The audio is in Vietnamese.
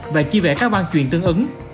và chi vẽ các văn chuyển tương ứng